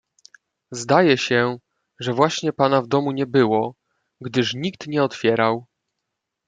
"Zdaje się, że właśnie pana w domu nie było, gdyż nikt nie otwierał."